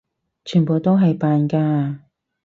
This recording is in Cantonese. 全部都係扮㗎！